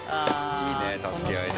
いいね助け合いで。